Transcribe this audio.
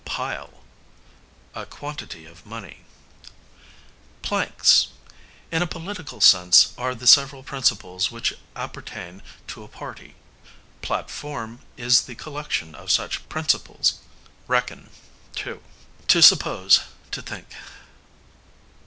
Pile, a quantity of money. Planks, in a political sense, are the several principles which appertain to a party; platform is the collection of such principles. Reckon, to; to suppose, to think.